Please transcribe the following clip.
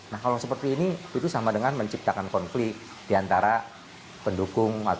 nah kalau seperti ini itu sama dengan menciptakan konflik diantara pendukung